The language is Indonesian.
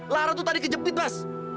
lara tuh tadi kejepit mas